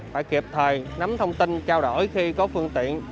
phải kịp thời nắm thông tin trao đổi khi có phương tiện